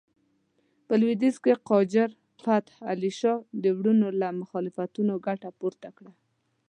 په لوېدیځ کې قاجار فتح علي شاه د وروڼو له مخالفتونو ګټه پورته کړه.